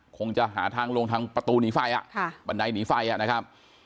คงจะหาทางลงทางประตูหนีไฟอ่ะค่ะบันไดหนีไฟนะครับ